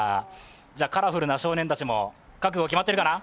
カラフルな少年たちも覚悟決まってるかな？